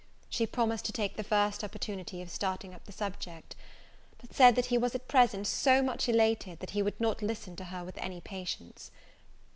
She promised to take the first opportunity of starting up the subject: but said he was at present so much elated, that he would not listen to her with any patience.